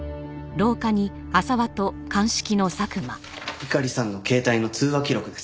猪狩さんの携帯の通話記録です。